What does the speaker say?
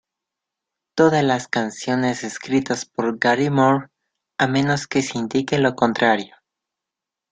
Todas las canciones escritas por Gary Moore, a menos que se indique lo contrario.